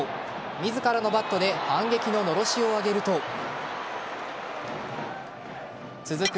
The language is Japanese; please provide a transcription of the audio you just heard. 自らのバットで反撃ののろしを上げると続く